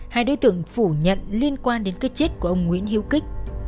hai đối tượng phủ nhận liên quan đến cái chết của ông nguyễn hiếu kích